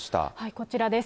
こちらです。